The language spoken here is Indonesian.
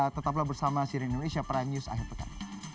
tetaplah bersama siri indonesia prime news akhir pekan